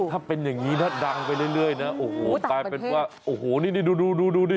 ถ้าเป็นอย่างนี้นะดังไปเรื่อยนะโอ้โหกลายเป็นว่าโอ้โหนี่ดูดูดิ